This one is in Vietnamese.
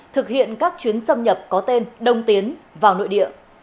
thực hiện các chuyến xâm nhập có tên đông tiến vào nội địa